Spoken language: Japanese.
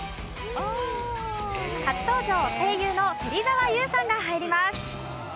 初登場声優の芹澤優さんが入ります。